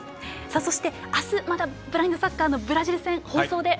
そして、あすブラインドサッカーのブラジル戦が放送で。